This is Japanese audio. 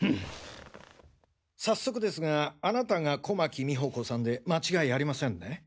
早速ですがあなたが小牧美穂子さんで間違いありませんね？